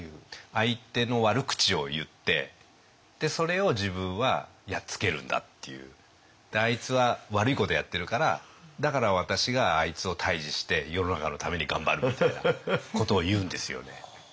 相手の悪口を言ってそれを自分はやっつけるんだっていうあいつは悪いことやってるからだから私があいつを退治して世の中のために頑張るみたいなことを言うんですよね。